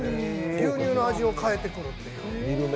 牛乳の味を変えてくるという。